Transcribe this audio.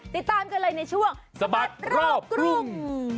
ติดตามกันเลยในช่วงสะบัดรอบกรุง